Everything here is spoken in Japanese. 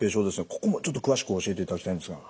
ここもちょっと詳しく教えていただきたいんですが。